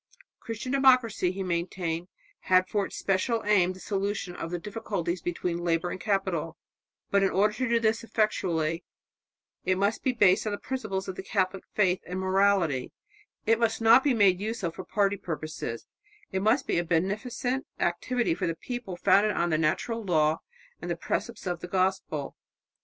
Christian democracy, he maintained, had for its special aim the solution of the difficulties between labour and capital, but in order to do this effectually it must be based on the principles of the Catholic faith and morality; it must not be made use of for party purposes; it must be a beneficent activity for the people founded on the natural law and the precepts of the Gospel.